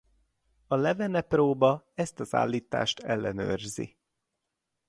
A Levene-próba ezt az állítást ellenőrzi.